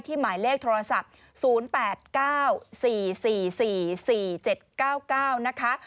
หมายเลขโทรศัพท์๐๘๙๔๔๔๔๔๗๙๙นะคะ